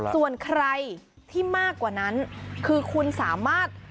ส่วนใครที่มากกว่านั้นคือคุณสามารถ